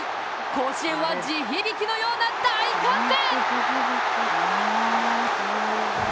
甲子園は、地響きのような大歓声！